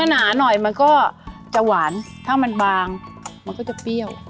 หนาหน่อยมันก็จะหวานถ้ามันบางมันก็จะเปรี้ยว